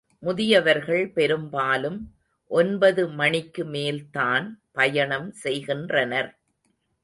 முதியவர்கள் பெரும்பாலும் ஒன்பது மணிக்கு மேல்தான் பயணம் செய்கின்றனர்.